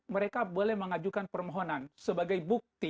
mereka boleh mengajukan permohonan sebagai bukti